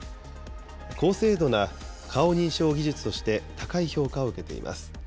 高精度な顔認証技術として、高い評価を受けています。